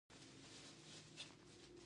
هېواد ته باید صداقت ولرو